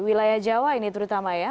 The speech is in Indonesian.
wilayah jawa ini terutama ya